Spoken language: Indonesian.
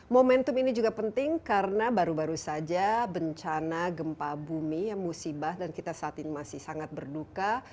momentum ini juga penting karena baru baru saja bencana gempa bumi musibah dan kita saat ini masih sangat berduka